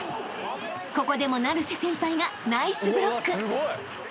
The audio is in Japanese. ［ここでも成瀬先輩がナイスブロック］